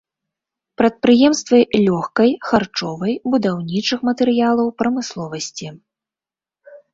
Прадпрыемствы лёгкай, харчовай, будаўнічых матэрыялаў прамысловасці.